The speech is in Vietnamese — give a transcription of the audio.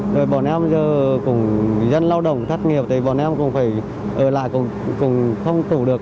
rồi bọn em giờ cũng dân lao động thất nghiệp thì bọn em cũng phải ở lại cũng không phụ được